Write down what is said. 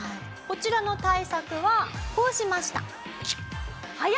こちらの対策はこうしました。